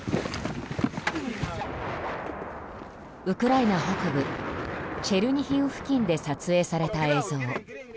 ウクライナ北部チェルニヒウ付近で撮影された映像。